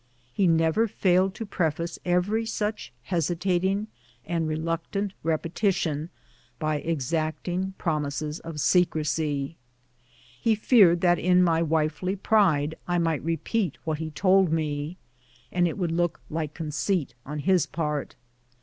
He never failed to preface every such hesitating and reluctant repetition by exacting promises of secrecy. He feared that in my wifely pride I might repeat what he told me, and it 253 BOOTS AND SADDLES. would look like conceit on his part.